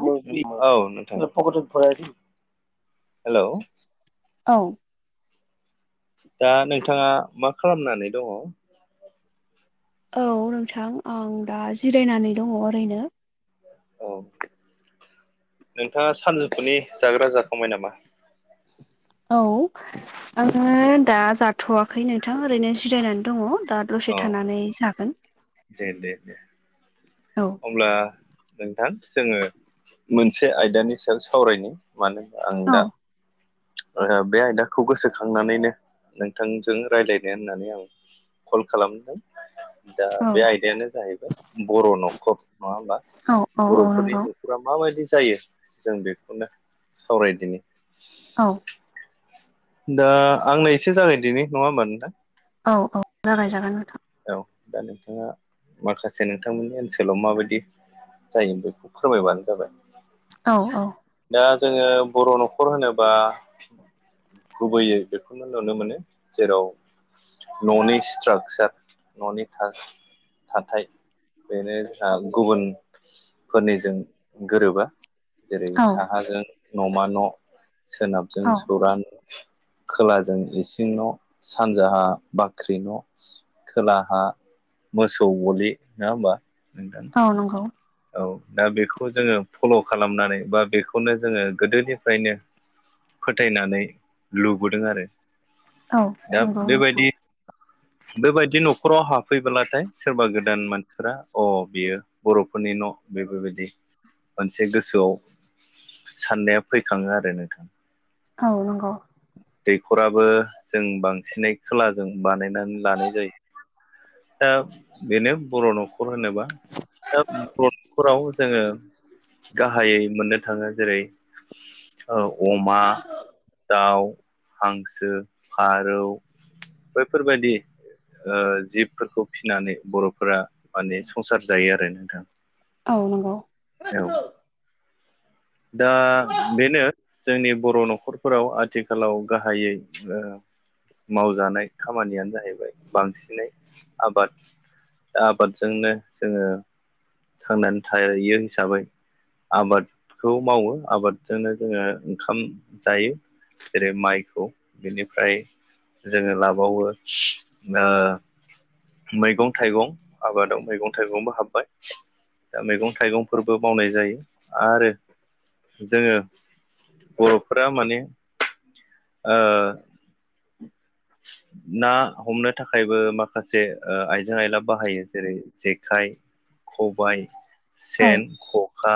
औ [unintelligible] औ नोंथां हेल' औ दा नोंथाङा मा खालामनानै दङ। औ नोंथां आं दा जिरायनानै दङ ओरैनो औ नोंथांङा सानजौफुनि जाग्रा जाखांबाय नामा? औ आंङो दा जाथ'वाखै नोंथां ओरैनो जिरायनानै दंङ दा। औ दसे थानानै जागोन। दे बे दे औ अब्ला नोंथां जोंङो मोनसे आयदानि सायाव सावरायनि? मानो होना आं औ दा ओ बे आयदाखौ गोसोखांनानैनो नोंथांजों रायज्लायनो होननानै आं कल खालामदों दा औ बे आयदायानो जाहैबाय बर' न'खर नङा होमबा औ औ औ बर'फोरनि नंगौ न' माबायदि जायो जों बेखौनो सावरायदिनि औ दा आंनो एसे जागाय दिनि नङा होमबा नोंथां औ औ जागाय जागोन नोंथां औ दा नोंथाङा माखासे नोंथांमोननि ओनसोलाव माबायदि जायो बेखौ फोरमायबानो जाबाय औ औ दा जोंङो बर' नखर होनोबा गुबैयै बेखौनो नुनो मोनो जेराव न'नि स्ट्राकचार न'नि थाथाय बेनो जोंहा गुबुन फोरनिजों गोरोबा जेरै औ साहाजों न' मा न' सोनाबजों औ सौरा न' खोलाजों इसिं न' सानजाहा बाख्रि न' खोलाहा मोसौ गलि नंङा होमबा नोंथां औ नंगौ। औव दा बेखौ जोंङो फल खालामनानै बा बेखौनो जोंङो गोदोनिफ्रायनो फोथायनानै लुबोदों आरो औव दा नंगौ नोंथां। बेबायदि बेबायदि न'खराव हाबफैब्लाथाय सोरबा गोदान मानसिफोरा अ बियो? बरफोरनि न बेफोरबायदि मोनसे गोसोआव साननाया फैखाङो आरो नोंथां। औव नंगौव। दैयखराबो जों बांसिनै खोलाजों बानायनानै लानाय जायो। दा बेनो बर न' होनोबा दा बर' नखराव जोंङो गाहायै मोननो-' थाङों जेरै ओ अमा औ [inaudible] दाउ हांसो फारौ बैफोरबायदि ओ जिबफोरखौ फिसिनानै बर'फोरा माने संसार जायो आरो नोंथां औ नंगौ। औव दा बेनो जोंनि बर नखरफोराव आथिखालाव गाहायै मावजानाय खामानियानो जाहैबाय। बांसिनै आबाद आबादजोंनो जोंङों थांनानै थायो हिसाबै आबाद खौ मावो आबादजोंनो जोंङो ओंखाम जायो। जेरै माइखौ बिनिफ्राय जोंङो लाबावो ओ मैगं थाइगं आबादाव मैगं थाइगंबो हाबबाय। मैगं थाइगंफोरबो मावनाय जायो आरो जोङो बर'फोरा माने ओ [inaudible] ना हमनो थाखायबो माखा जे ओ आइजें आइला बाहायो जेरै जेखाइ खबाइ औ सेन, खखा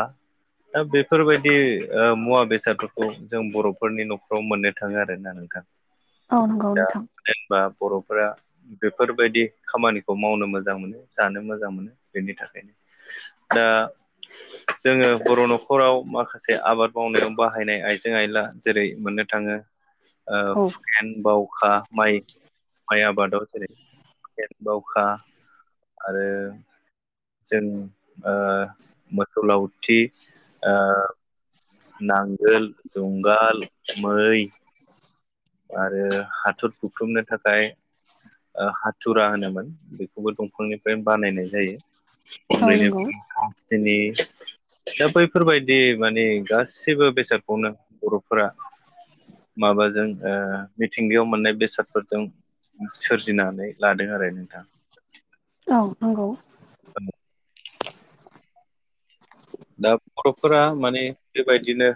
दा बेफोरबायदि ओ मुवा बेसादफोरखौ जों बर'फोरनि न'खराव मोननो थाङो आरोना नोंथां। औ नंगौ नोंथां। जेनबा बर'फोरा बेफोर बायदि खामानिखौ मावनो मोजां मोनो जानो मोजां मोनो बेनि थाखायनो दा जोंङो बर' न'खराव माखासे आबाद मावनायाव बाहायनाय आइजें आयला जेरै मोननो थांङों औ हुकेन बावखा माइ माइ आबादाव जेरै बावखा आरो जों ओ मोसौ लावथि ओ नांगोल जुंगाल मोय आरो हाथर बुख्रुबनो थाखाय हाथुरा होनोमोन बेखौबो दंफांनिफ्राय बानायनाय जायो। औ नंगौ उन्दैनिफ्रायनो जोंनि दा बैफोरबायदि माने गासिबो बेसादखौनो बर'फोरा माबाजों मिथिंगायाव मोननाय बेसादफोरजों सोरजिनानै लादों आरो नोंथां। औ नंगौ। ओ। दा बर'फोरा माने बेबायदिनो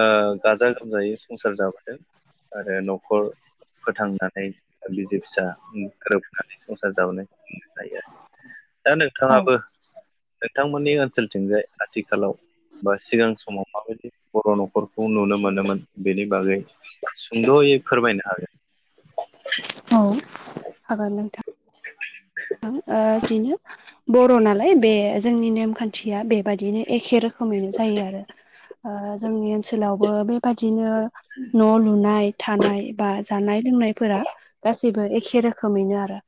ओ गाजा गोमजायै संसार जाबोदों आरो न'खर फोथांनानै ओ बिजे फिसा गोरोबनानै संसार जाबोनो हायो आरो। दा औ नोंथाङाबो नोंथांमोननि ओनसोलथिंजाय आथिखालाव बा सिगां समाव माबायदि बर' न'खरखौ नुनो मोनोमोन बेनि बागै सुंद'यै फोरमायनो हागोन। औ हागोन नोंथां। [inaudible] ओ दिनो बर' नालाय बे जोंनि नेमखान्थिया बेबायदिनो एखे रोख रोखोमैनो जायो आरो ओ जोंनि ओन्स ओनसोलावबो बेबादिनो न' लुनाय थानाय बा जानाय लोंनायफोरा गासैबो एखे रोखोमैनो आरो।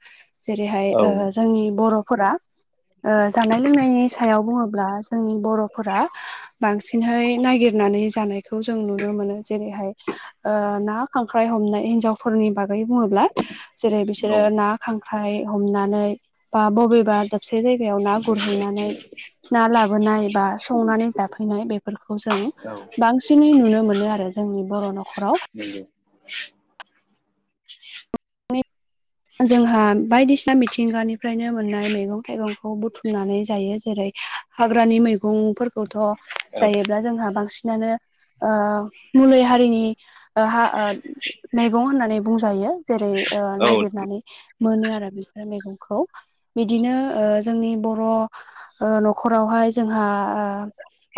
जेरैहाय औ ओ जोंनि बर'फोरा ओ जानाय लोंनायनि सायाव बुङोब्ला जोंनि बर'फोरा बांसिनहै नागिरनानै जानायखौ जों नुनो मोनो। जेरैहाय ना खांख्राइ हमनाय हिन्जावफोरनि बागै बुङोब्ला जेरै बिसोरो नंगौ ना खांख्राइ हमनानै बा बबेबा दाबसे जायगायाव ना गुरहैनानै ना लाबोनाय बा संनानै जाफैनाय बेफोरखौ जों औ बांसिनै नुनो मोनो आरो जोंनि बर' न'खराव। [inaudible] [inaudible] जोंहा बायदिसिना मिथिंगानिफ्रायनो मोननाय मैगं थाइगंखौ बुथुमनानै जायो। जेरै हाग्रानि मैगंफोरखौथ' औ जायोब्ला जोंहा बांसिनानो मुलि हारिनि मैगं होननानै बुंजायो। जेरै औ नायगिरनानै मोनो आरो बेफोर मैगंखौ बिदिनो ओ जोंनि बर' ओ न'खरावहाय जोंहा ओ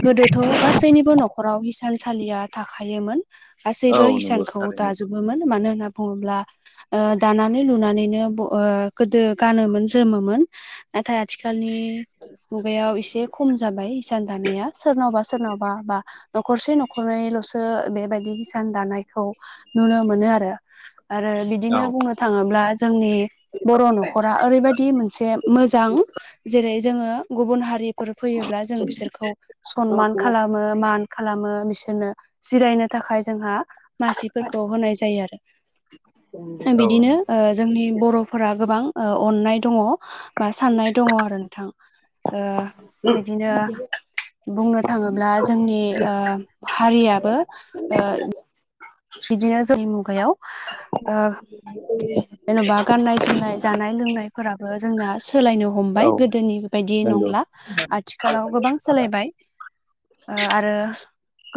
गोदोथ' गासैनिबो न'खराव हिसानसालिया थाखायोमोन। गासैबो नंगौ हिसानखौ थारैनो दाजोब मानो होनना बुङोब्ला दानानै लुनानैनो ओ गोदो गानोमोन जोमोमोन नाथाय आथिखालनि मुगायाव एसे खम जाबाय इसान दानाया सोरनावबा सोरनावबा बा न'खरसे न'खरैल'सो बेबायदि हिसान दानायखौ नुनो मोनो आरो आरो औ बिदिनो बुंनो थाङोब्ला जोंनि बर' न'खरा ओरैबायदि मोनसे मोजां जेरै जोङो गुबुन हारि फोर फैयोब्ला जों बिसोरखौ सनमान खालामो मान खालामो बिसोरनो जिरायनो थाखाय जोंहा मासिफोरखौ होनाय जायो आरो। औ बिदिनो नंगौ जोंनि बर'फोरा गोबां अननाय दङ। बा साननाय दङ आरो नोंथां। ओ बिदिनो बुंनो थाङोब्ला जोंनि ओ हारियाबो ओ बिदिनो जोंनि मुगायाव ओ [inaudible] जेन'बा गाननाय जोमनाय जानाय लोंनायफोराबो जोंना सोलायनो औ हमबाय। गोदोनि बायदि नंगौ नंला आथिखालाव गोबां सोलायबाय ओ आरो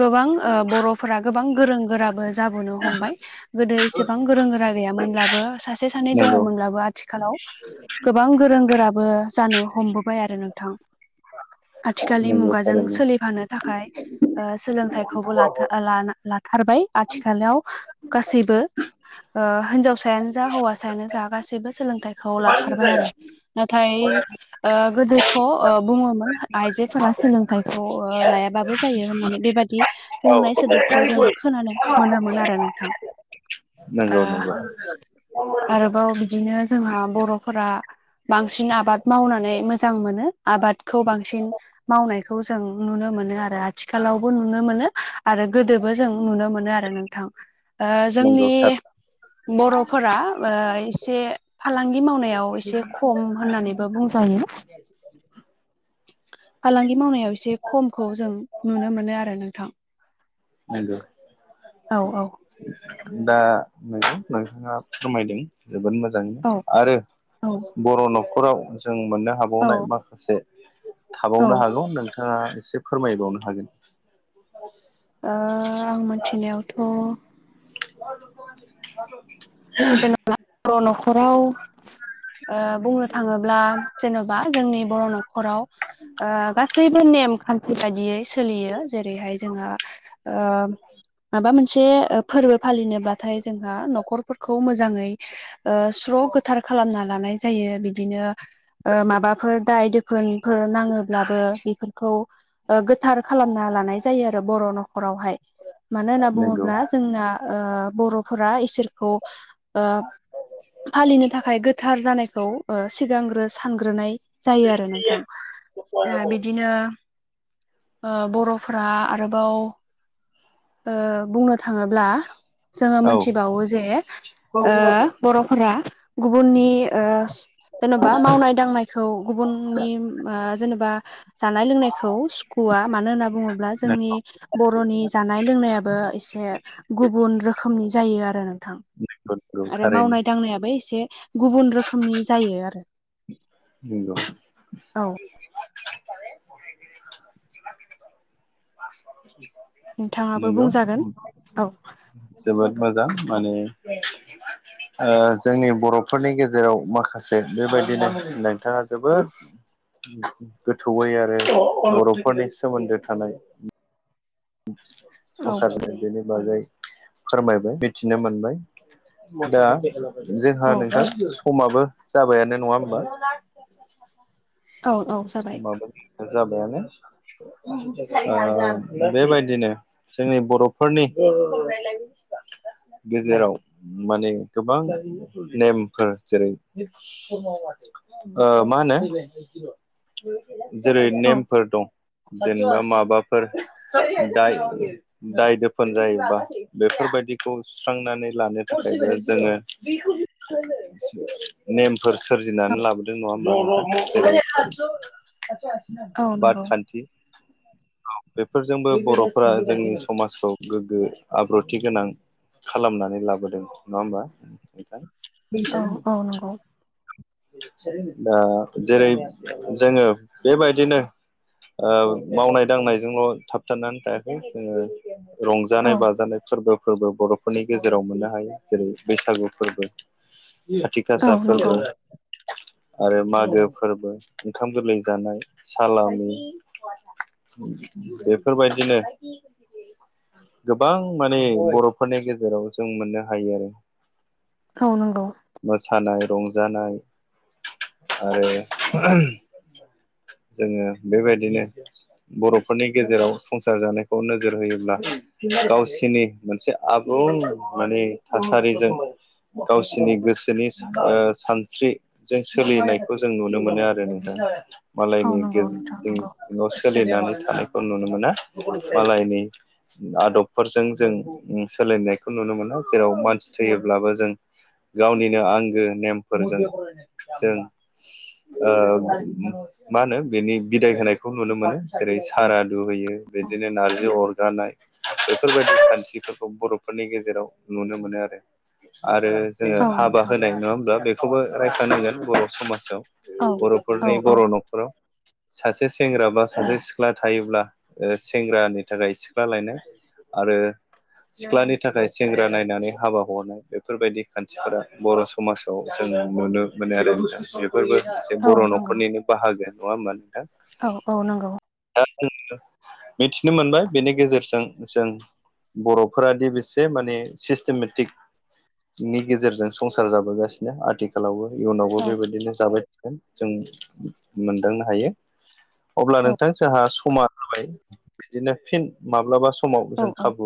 गोबां ओ बर'फोरा गोबां गोरों गोराबो जाबोनो हमबाय गोदो एसेबां गोरों गोरा गैयामोनब्लाबो सासे सानै नंगौ दङ'मोनब्लाबो आथिखालाव गोबां गोरों गोराबो जानो हमबोबाय आरो नोंथां आथिखालनि नंगौ मुगाजों थारैनो सोलिफानो थाखाय ओ सोलोंथाइखौबो लाथार लानां लाथारबाय आथिखालाव गासैबो ओ हिनजावसा हिसायानो जा हौवासायानो जा गासैबो सोलोंथाइखौ लाथारबाय आरो नाथाय ओ गोदोथ' ओ बुङोमोन आइजोफोरा सोलोंथाइखौ ओ लायाबाबो जायो होननानै बेबादि बुंनाय सोदोबखौ जों औ खोनानो मोनोमोन आरो नोंथां ओ नंगौ नंगौ आरोबाव बिदिनो जोंहा बर'फोरा बांसिन आबाद मावनानै मोजां मोनो आबादखौ बांसिन मावनायखौ जों नुनो मोनो आरो आथिखालावबो नुनो मोनो आरो गोदोबो जों नुनो मोनो आरो नोंथां। ओ जोंनि नंगौ थार बर'फोरा एसे फालांगि मावनायाव एसे खम होननानैबो बुंजायो। फालांगि मावनायाव एसे खमखौ जों नुनो मोनो आरो नोंथां नंगौ औ औ दा नों नोंथाङा फोरमायदों जोबोद मोजाङैनो औ आरो औ बर' न'खराव जों मोननो औ हाबावनाय माखासे ओ थाबावनो हागौ नोंथाङा एसे फोरमायबावनो हागोन ओ आं मोनथिनायावथ' साथ जेनेबा बर' न'खराव ओ बुंनो थाङोब्ला जेन'बा जोंनि बर' न' न'खराव ओ गासैबो नेम खान्थि बायदियै सोलियो जेरैहाय जोंहा ओ माबा मोनसे ओ फोरबो फालिनोबाथाय जोंहा न'खर खौ मोजाङै ओ स्र' गोथार खालामना लानाय जायो बिदिनो ओ माबाफोर दाय दोफोनफोर नाङोब्लाबो बेफोरखौ ओ गोथार खालामना लानाय जायो आरो बर' न'खरावहाय मानो होनना नंगौ बुङोब्ला जोंना ओ बर'फोरा इसोरखौ ओ फालिनो थाखाय गोथार जानायखौ ओ सिगांग्रो सानग्रोनाय जायो आरो नोंथां ओ बिदिनो ओ बर'फोरा आरोबाव ओ बुंनो थाङोब्ला जोङो औ मोनथिबावो जे ओ बर'फोरा गुबुननि ओ जेन'बा मावनाय दांनाय खौ गुबुननि मा जेनेबा जानाय लोंनायखौ सुखुवआ मानो होनना बुङोब्ला जोंनि बर'नि जानाय लोंनायाबो एसे गुबुन रोखोमनि जायो आरो नोंथां। बि आरो मावनाय दांनायाबो एसे गुबुन रोखोमनि जायो आरो‌ बिग [unintelligible] औ [unintelligible] नोंथाङाबो नंगौ बुंजागोन औ जोबोद मोजां माने ओ जोंनि बर'फोरनि गेजेराव माखासे बेबायदि दिनै नोंथाङा जोबोद गोथौयै आरो बर'फोरनि सोमोन्दो थानाय औ संसार [unintelligible] बागै फोरमायबाय मिथिनो मोनबाय दा जोंहा औ नोंथां समाबो जाबायानो नङा होमबा? औ औ जाबाय समाबो जाबायानो ओ बेबायदिनो जोंनि बर'फोरनि गेजेराव माने गोबां नेमफोर जेरै ओ मा होनो जेरै औ नेमफोर दं जेनेबा माबाफोर दाय दाय दोफोन जायोबा बेफोरबायदिखौ सुस्रांनानै लानो थाखायबो जोङो [unintelligible] नेमफोर औ सोरजिनानै लाबोदों नङा होमा? औ बाद नंगौ खान्थि। औ बेफोरजोंबो बर'फोरा जोंनि समाजखौ गोग्गो आब्रुथि गोनां खालामनानै लाबोदों नङा होमबा नोंथां? औ औ नंगौ दा जेरै जोङो बेबायदिनो ओ मावनाय दांनायजोंल' थाबथानानै थायाखै जोङो औ रंजानाय बाजानाय फोरबो फोरबो बर' फोरनि गेजेराव मोननो हायो जेरै बैसागु फोरबो खाथि औ गासा नंगौ फोरबो। आरो मागो फोरबो। ओंखाम गोरलै जानाय सालामि। बेफोरबायदिनो गोबां माने बर'फोरनि गेजेराव जों मोननो हायो आरो। औ नंगौ। मोसानाय रंजानाय आरो जोङो बेबायदिनो बर'फोरनि गेजेराव संसार जानायखौ नोजोर होयोब्ला गावसिनि मोनसे आबुं माने थासारिजों गावसिनि गोसोनि ओ सानस्रि जों सोलिनायखौ जों नुनो मोनो आरो नोंथां औ मालायनि नंगौ नोंथां गेजेर नंगौ ज'सोलिनानै थानायखौ नुनो मोना मालायनि आदबफोरजों जों उम सोलायनायखौ नुनो मोना जेराव मानसि थैयोब्लाबो जों गावनिनो आंगो नेमफोरजों जों ओ मा होनो बेनि बिदाय होनायखौ नुनो मोनो। जेरै सारादुहैयो बिदिनो नारजि अरजानाय बेफोरबायदि खान्थिफोरखौ बर'फोरनि गेजेराव नुनो मोनो आरो आरो जोङो औ हाबा नोंथां होनाय नङा होमब्ला बेखौबो रायखाानांगोन बर' समाजाव। औ औ नफोरनि औ बर' न'खराव सासे सेंग्रा बा सासे सिख्ला थायोब्ला सेंग्रानि थाखाय सिख्ला लायनाय आरो सिख्लानि थाखाय सेंग्रा नायनानै हाबा हरनाय बेफोरबायदि खान्थिफोरा बर' समाजाव जों नुनो मोनो आरो [unintelligible] फोरबो [unintelligible] औ बर' नंगौ न'खरनिनो बाहागो नङा होनोमा नोंथां? औ औ नोंगौ। दा जों मिथिनो मोनबाय बेनि गेजेरजों जों बर'फोरादि बेसे माने सिस्टेमेटिक नि गेजेरजों संसार जाबोगासिनो आथिखालावबो इयुनावबो औ बेबायदिनो जाबाय जों मोनदांनो हायो अब्ला नों औ नोंथां जोंहा समा जाबाय बिदिनो फिन माब्लाबा समाव औ जों औ खाबु ला